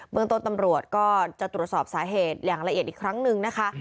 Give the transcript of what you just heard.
เมืองต้นตำรวจก็จะตรวจสอบสาเหตุอย่างละเอียดอีกครั้งหนึ่งนะคะ